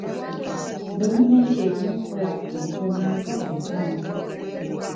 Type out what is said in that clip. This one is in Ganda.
Gavumenti erina okukola ku bintu ebinyiga ebitundu.